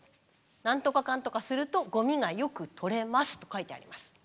何とかかんとかするとゴミがよく取れます」と書いてあります。